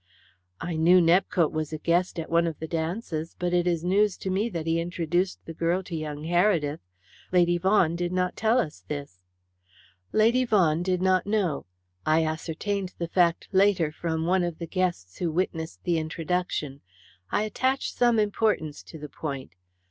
"I knew Nepcote was a guest at one of the dances, but it is news to me that he introduced the girl to young Heredith. Lady Vaughan did not tell us this." "Lady Vaughan did not know. I ascertained the fact later from one of the guests who witnessed the introduction. I attach some importance to the point.